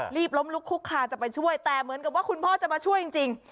รีบล้มลุกคุกคาจะไปช่วยแต่เหมือนกับว่าคุณพ่อจะมาช่วยจริง